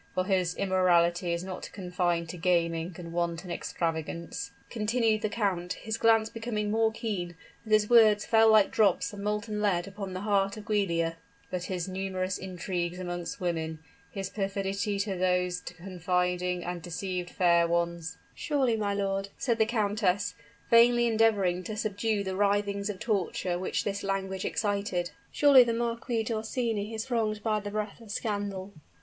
For his immorality is not confined to gaming and wanton extravagance," continued the count, his glance becoming more keen, as his words fell like drops of molten lead upon the heart of Giulia; "but his numerous intrigues amongst women his perfidy to those confiding and deceived fair ones " "Surely, my lord," said the countess, vainly endeavoring to subdue the writhings of torture which this language excited, "surely the Marquis d'Orsini is wronged by the breath of scandal?"